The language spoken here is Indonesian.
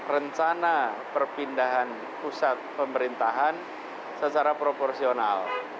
rencana perpindahan pusat pemerintahan secara proporsional